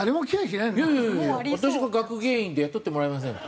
私が学芸員で雇ってもらえませんか？